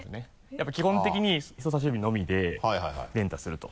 やっぱ基本的に人さし指のみで連打すると。